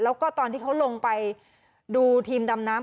แล้วก็ตอนที่เขาลงไปดูทีมดำน้ำ